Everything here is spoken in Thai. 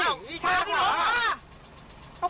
เอ้าพี่แช่ขวา